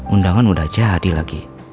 undangan udah jadi lagi